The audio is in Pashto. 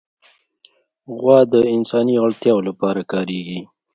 غوا د انساني اړتیاوو لپاره کارېږي.